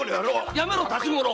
やめろ辰五郎！